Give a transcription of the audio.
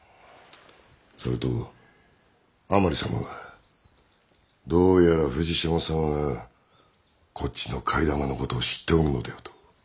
それと甘利様がどうやら富士島様がこっちの替え玉のことを知っておるのではと。